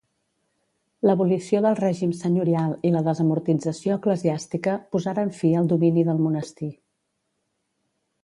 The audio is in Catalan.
L'abolició del règim senyorial i la desamortització eclesiàstica posaren fi al domini del monestir.